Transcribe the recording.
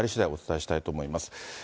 お伝えしたいと思います。